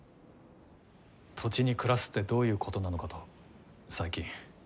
土地に暮らすってどういうことなのかと最近。